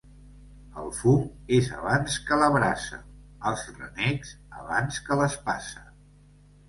El fum és abans que la brasa; els renecs, abans que l'espasa.